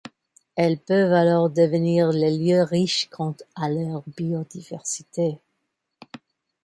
Elles peuvent alors devenir des lieux riches quant à leur biodiversité.